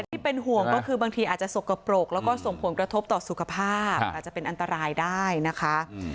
ที่เป็นห่วงก็คือบางทีอาจจะสกปรกแล้วก็ส่งผลกระทบต่อสุขภาพอาจจะเป็นอันตรายได้นะคะ